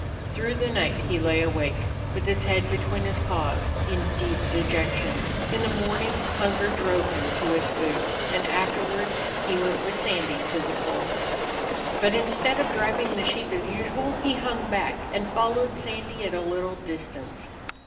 Through the night he lay awake, with his head between his paws, in deep dejection. In the morning hunger drove him to his food, and afterwards he went with Sandy to the fold. But instead of driving the sheep as usual, he hung back, and followed Sandy at a little dis tance.